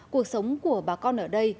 cuộc sống của bà con ở đây